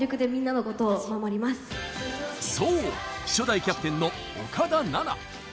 そう初代キャプテンの岡田奈々。